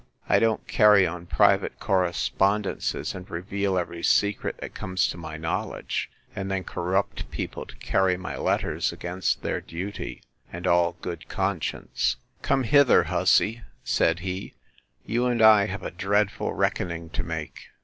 I don't carry on private correspondences, and reveal every secret that comes to my knowledge, and then corrupt people to carry my letters against their duty, and all good conscience. Come hither, hussy! said he: You and I have a dreadful reckoning to make.